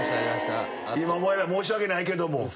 今思えば申し訳ないけども。